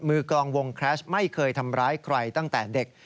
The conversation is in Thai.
กลองวงแคลชไม่เคยทำร้ายใครตั้งแต่เด็ก